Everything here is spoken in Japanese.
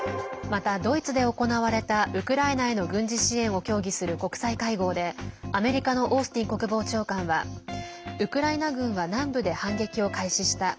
また、ドイツで行われたウクライナへの軍事支援を協議する国際会合でアメリカのオースティン国防長官はウクライナ軍は南部で反撃を開始した。